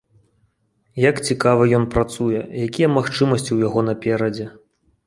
Як цікава ён працуе, якія магчымасці ў яго наперадзе.